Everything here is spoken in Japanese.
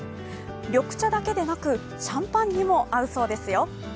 緑茶だけでなく、シャンパンにも合うそうですよ。